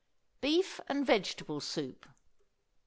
BEEF AND VEGETABLE SOUP.